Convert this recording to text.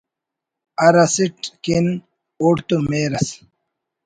ہرااسٹ کن اوڑتون مہر ئس